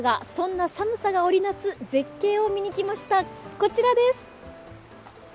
こちらです。